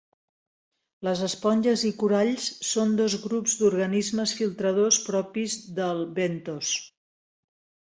Les esponges i coralls són dos grups d'organismes filtradors propis del bentos.